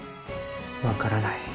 分からない。